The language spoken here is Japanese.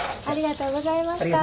ありがとうございます。